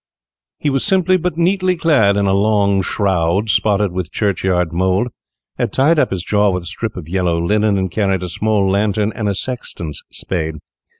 He was simply but neatly clad in a long shroud, spotted with churchyard mould, had tied up his jaw with a strip of yellow linen, and carried a small lantern and a sexton's spade.